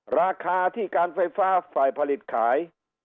ราคาที่การไฟฟ้าฝ่ายผลิตขาย